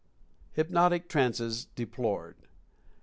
HYPNOTIC TRANCES DEPLORED.